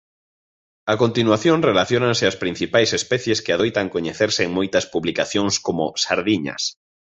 A continuación relaciónanse as principais especies que adoitan coñecerse en moitas publicacións como "sardiñas".